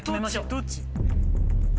どっち？